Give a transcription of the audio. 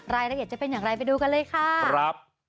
รายละเอียดจะเป็นอย่างไรไปดูกันเลยค่ะครับ